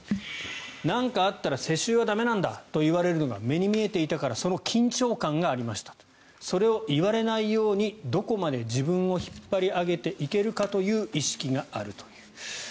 何かあったら世襲は駄目なんだと言われるのが目に見えていたからその緊張感がありましたそれを言われないようにどこまで自分を引っ張り上げていけるかという意識があるという。